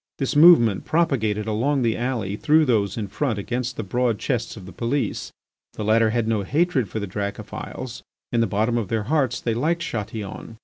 This movement, propagated along the alley, threw those in front against the broad chests of the police. The latter had no hatred for the Dracophils. In the bottom of their hearts they liked Chatillon.